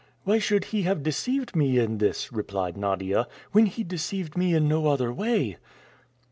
"Why should he have deceived me in this," replied Nadia, "when he deceived me in no other way?"